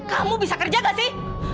kamu bisa kerja gak sih